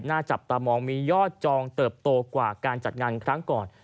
จับตามองมียอดจองเติบโตกว่าการจัดงานครั้งก่อน